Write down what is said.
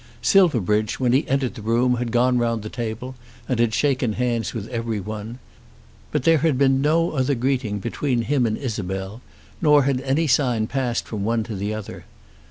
Silverbridge when he entered the room had gone round the table and had shaken hands with everyone. But there had been no other greeting between him and Isabel, nor had any sign passed from one to the other.